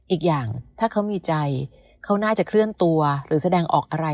อีกอย่างถ้าเขามีใจเขาน่าจะเคลื่อนตัวหรือแสดงออกอะไร